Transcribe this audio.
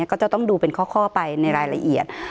ก็จะต้องดูเป็นข้อไปในรายละเอียด